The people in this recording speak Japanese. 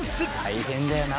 「大変だよな